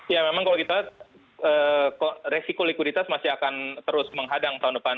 ya memang kalau kita lihat resiko likuiditas masih akan terus menghadang tahun depan